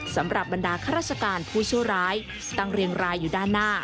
สำหรับบรรดาข้าราชการผู้ชั่วร้ายตั้งเรียงรายอยู่ด้านหน้า